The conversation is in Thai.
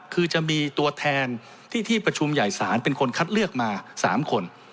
คือจะมีตัวแทนที่ที่ประชุมใหญ่ศาลเป็นคนคัดเลือกมา๓คน